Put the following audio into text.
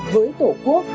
với tổ quốc